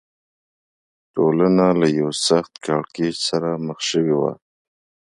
ټولنه له یوه سخت کړکېچ سره مخ شوې وه.